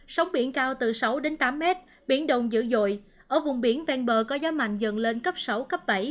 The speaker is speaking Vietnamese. sóng biển cao từ sáu đến tám mét biển động dữ dội ở vùng biển ven bờ có gió mạnh dần lên cấp sáu cấp bảy